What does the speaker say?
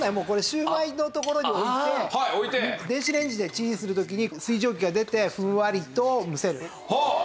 シューマイの所に置いて電子レンジでチンする時に水蒸気が出てふんわりと蒸せる。